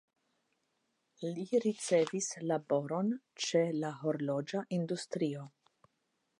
Li ricevis laboron ĉe la horloĝa industrio.